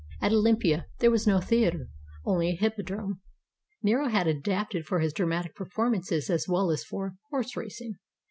At Olympia there was no theater, only a hippodrome; Nero had it adapted for his dramatic performances as well as for horse racing.